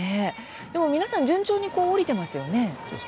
でも皆さん順調にこう降りてますよね。